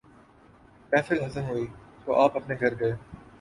محفل ختم ہوئی تو آپ اپنے گھر گئے۔